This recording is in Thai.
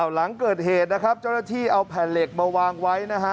หลังเกิดเหตุนะครับเจ้าหน้าที่เอาแผ่นเหล็กมาวางไว้นะฮะ